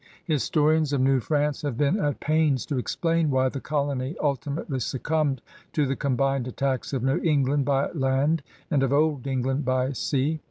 Historians of New France have been at pains to explain why the colony ultimately succumbed to the combined attacks of New England by land and of Old Eng land by sea.